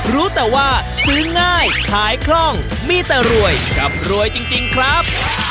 รู้แต่ว่าซื้อง่ายขายคล่องมีแต่รวยกับรวยจริงครับ